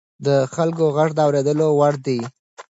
د خلکو غږ د اورېدو وړ دی